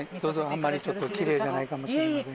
あんまりちょっときれいじゃないかもしれませんが。